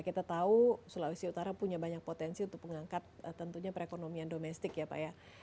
kita tahu sulawesi utara punya banyak potensi untuk mengangkat tentunya perekonomian domestik ya pak ya